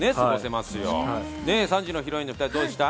３時のヒロインの２人どうでした？